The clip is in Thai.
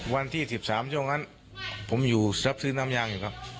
วันที่๑๓ช่วงนั้นผมอยู่รับซื้อน้ำยางอยู่ครับ